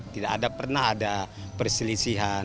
tidak ada pernah ada perselisihan